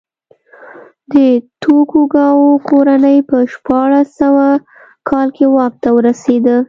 د توکوګاوا کورنۍ په شپاړس سوه کال کې واک ته ورسېده.